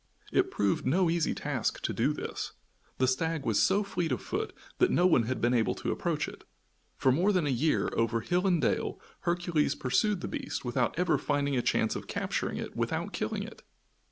It proved no easy task to do this. The stag was so fleet of foot that no one had been able to approach it. For more than a year, over hill and dale, Hercules pursued the beast without ever finding a chance of capturing it without killing it.